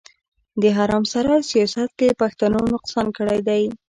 د حرم سرای سياست کې پښتنو نقصان کړی دی.